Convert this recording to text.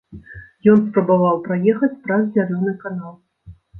Ён спрабаваў праехаць праз зялёны канал.